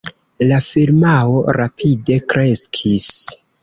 La firmao rapide kreskis.